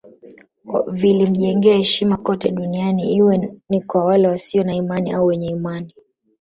Vilimjengea heshima kote duniani iwe ni kwa wale wasio na imani au wenye imani